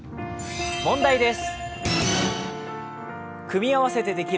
問題です。